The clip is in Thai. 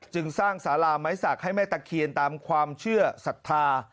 จึงสร้างสาราไม้สักให้แม่ตะเคียนตามความเชื่อศรัทธา